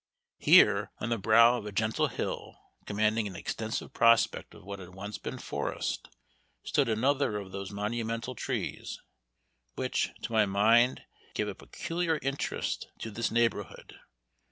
Here, on the brow of a gentle hill, commanding an extensive prospect of what had once been forest, stood another of those monumental trees, which, to my mind, gave a peculiar interest to this neighborhood.